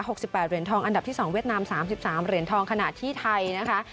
๖๘เหรียญทองอันดับที่สองเวียดนาม๓๓เหรียญทองขนาดที่ไทยนะคะ